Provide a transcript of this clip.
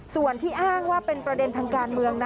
ส่วนที่อ้างว่าเป็นประเด็นทางการเมืองนะ